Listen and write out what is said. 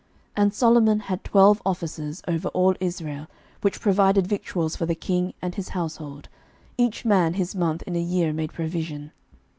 11:004:007 And Solomon had twelve officers over all Israel, which provided victuals for the king and his household: each man his month in a year made provision.